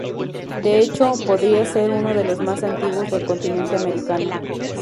De hecho, podría ser uno de los más antiguos del continente americano.